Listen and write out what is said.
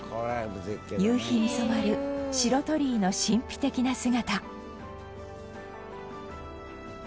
夕日に染まる白鳥居の神秘的な姿。